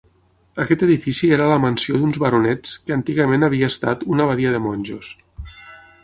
Aquest edifici era la mansió d'uns baronets que antigament havia estat una abadia de monjos.